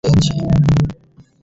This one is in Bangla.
বলো যে আমরা সবাই মরতে যাচ্ছি!